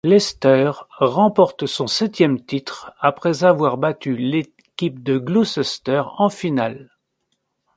Leicester remporte son septième titre après avoir battu l'équipe de Gloucester en finale.